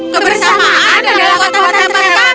kebersamaan adalah kekuatan tersebut